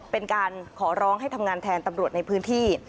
เป็นการขอร้องให้ทำงานแทนตำรวจในพื้นที่